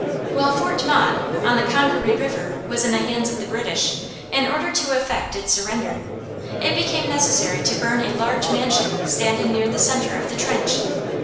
While Fort Motte, on the Congaree River, was in the hands of the British, in order to effect its surrender, it became necessary to burn a large mansion standing near the center of the trench.